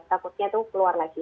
takutnya itu keluar lagi